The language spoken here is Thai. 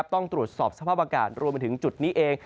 ต้องตรวจสอบสภาพอากาศรวมไปถึงจุดนี้เอง